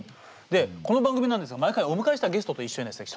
でこの番組なんですが毎回お迎えしたゲストと一緒にですね